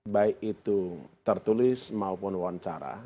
baik itu tertulis maupun wawancara